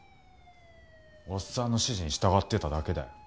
おっさんの指示に従ってただけだよ。